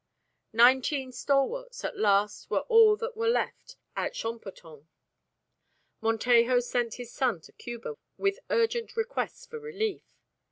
Nineteen stalwarts at last were all that were left at Champoton. Montejo sent his son to Cuba with urgent requests for relief.